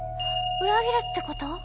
裏切るってこと？